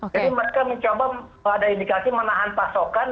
jadi mereka mencoba kalau ada indikasi menahan pasokan